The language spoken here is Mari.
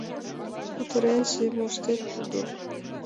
— Кутыренже моштет тудо.